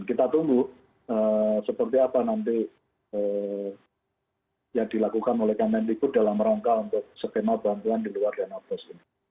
kita tunggu seperti apa nanti yang dilakukan oleh kemendikbud dalam rangka untuk skema bantuan di luar dana bos ini